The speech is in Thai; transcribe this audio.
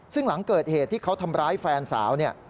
ซึ่งหลังเกิดเหตุที่เขาทำร้ายแฟนสาวเนี่ย